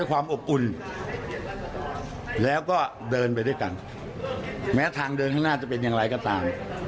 ว่าอย่างไรฮะ